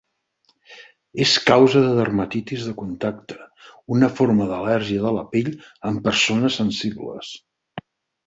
És causa de dermatitis de contacte, una forma d'al·lèrgia de la pell, en persones sensibles.